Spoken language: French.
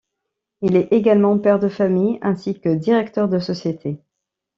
Il est également père de famille ainsi que directeur de société.